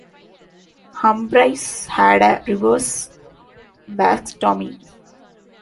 Humphrys had a reverse vasectomy.